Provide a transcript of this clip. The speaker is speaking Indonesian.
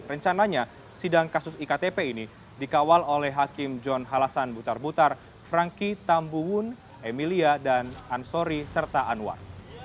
rencananya sidang kasus iktp ini dikawal oleh hakim john halasan butar butar franky tambuun emilia dan ansori serta anwar